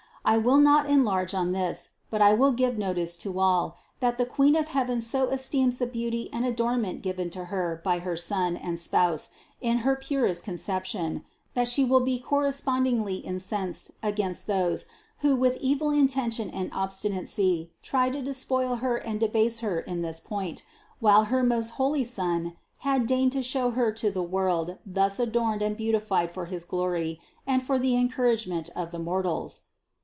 I will not enlarge on this ; but I will give notice to all, that the Queen of heaven so esteems the beauty and adornment given to Her by her Son and Spouse in her purest Con ception, that She will be correspondingly incensed against those, who, with evil intention and obstinacy, try to de spoil Her and debase Her in this point, while her most holy Son had deigned to show Her to the world thus adorned and beautified for his glory and for the en couragement of the mortals.